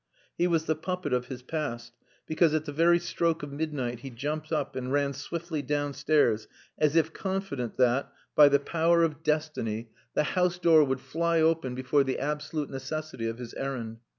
He was the puppet of his past, because at the very stroke of midnight he jumped up and ran swiftly downstairs as if confident that, by the power of destiny, the house door would fly open before the absolute necessity of his errand.